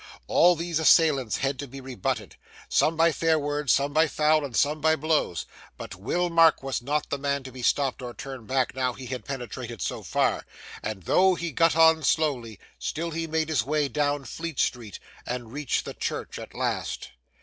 All these assailants had to be rebutted, some by fair words, some by foul, and some by blows. But Will Marks was not the man to be stopped or turned back now he had penetrated so far, and though he got on slowly, still he made his way down Fleet street and reached the church at last.